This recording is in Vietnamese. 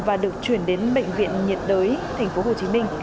và được chuyển đến bệnh viện nhiệt đới tp hcm